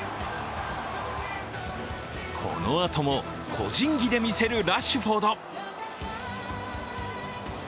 このあとも個人技で見せるラッシュフォード。